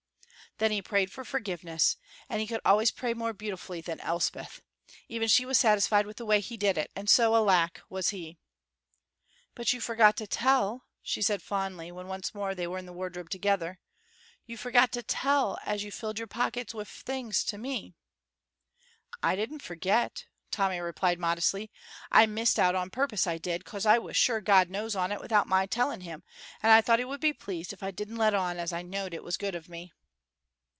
Then he prayed for forgiveness, and he could always pray more beautifully than Elspeth. Even she was satisfied with the way he did it, and so, alack, was he. "But you forgot to tell," she said fondly, when once more they were in the wardrobe together "you forgot to tell as you filled your pockets wif things to me." "I didn't forget," Tommy replied modestly. "I missed it out, on purpose, I did, 'cos I was sure God knows on it without my telling him, and I thought he would be pleased if I didn't let on as I knowed it was good of me."